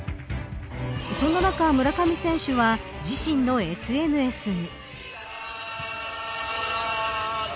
そんな中、村上選手は自身のＳＮＳに。